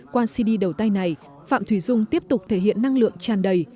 qua cd đầu tay này phạm thùy dung tiếp tục thể hiện năng lượng tràn đầy